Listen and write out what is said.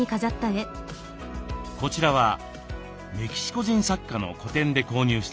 こちらはメキシコ人作家の個展で購入したものです。